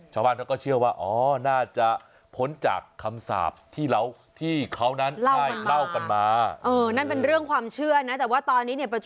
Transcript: ชาวบ้านเขาก็เชื่อว่าอ๋อน่าจะพ้นจากคำสาปที่เราที่เขานั้นได้เล่ากันมา